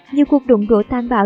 nhiều cuộc đụng đổ tan bạo